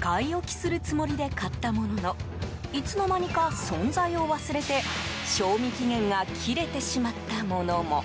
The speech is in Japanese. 買い置きするつもりで買ったもののいつの間にか存在を忘れて賞味期限が切れてしまったものも。